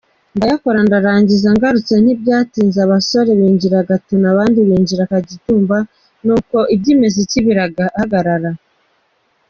Ndayakora ndarangiza ngarutse ntibyatinze abasore binjira Gatuna abandi Kagitumba, ni uko iby’imiziki birahagarara.